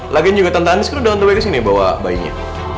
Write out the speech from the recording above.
lagian juga tante anies kan udah on the way kesini bawa bayinya